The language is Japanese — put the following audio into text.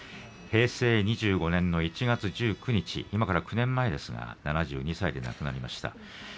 平成２５年の１月１９日今から９年前ですが７２歳で亡くなりました。